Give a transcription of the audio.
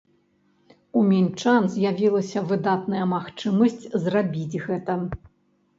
У мінчан з'явілася выдатная магчымасць зрабіць гэта!